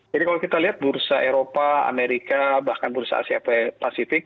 jadi kalau kita lihat bursa eropa amerika bahkan bursa asia pasifik